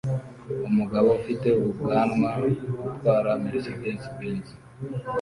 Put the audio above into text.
Umugabo ufite ubwanwa utwara Mercedes-Benz